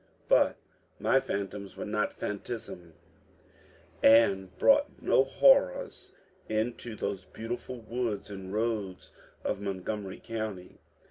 But my phantoms were not phantasms, and brought no horrors into those beautiful woods and roads of Montgomery County.